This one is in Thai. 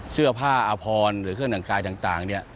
เสื้อผ้าอพรหรือเครื่องหนังกายต่าง